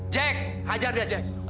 jack hajar dia jack